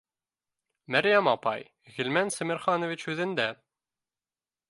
— Мәрйәм апай, Ғилман Сәмерханович үҙендә